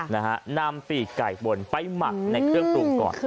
นะฮะนำปีกไก่บนไปหมักในเครื่องปรุงก่อน